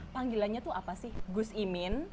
panggilannya tuh apa sih gus imin